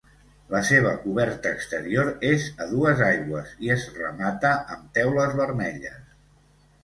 La seva coberta exterior és a dues aigües i es remata amb teules vermelles.